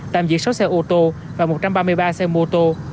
tạm giữ sáu xe ô tô và một trăm ba mươi ba xe mô tô